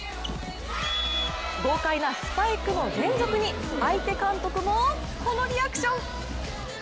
豪快なスパイクの連続に相手監督もこのリアクション。